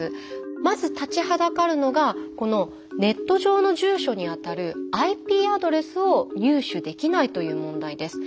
まず立ちはだかるのがこのネット上の住所に当たるＩＰアドレスを入手できないという問題です。